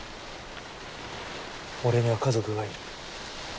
俺には家族がいる。